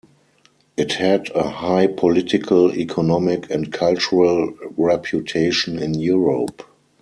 It had a high political, economic, and cultural reputation in Europe.